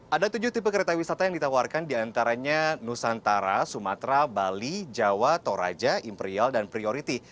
ada tujuh tipe kereta wisata yang ditawarkan diantaranya nusantara sumatera bali jawa toraja imperial dan priority